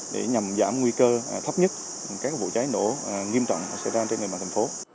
để nhằm giảm nguy cơ thấp nhất các vụ cháy nổ nghiêm trọng xảy ra trên địa bàn thành phố